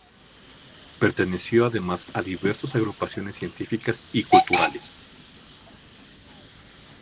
Perteneció además a diversos agrupaciones científicas y culturales.